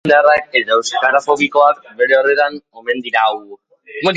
Joera eskuindarrak eta euskarafobikoak bere horretan omen dirau.